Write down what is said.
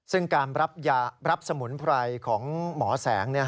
ซึ่งการรับยารับสมุนไพรของหมอแสง